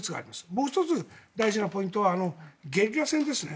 もう１つ大事なポイントはゲリラ戦ですね。